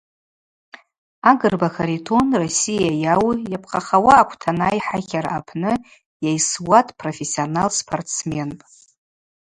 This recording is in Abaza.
Агрба Харитон – Россия йауу, йапхъахауа аквтанай хӏатлара апны йайсуа дпрофессионал спортсменпӏ.